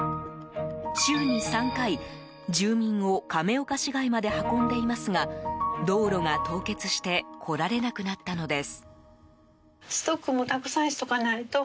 週に３回、住民を亀岡市街まで運んでいますが道路が凍結して来られなくなったのです。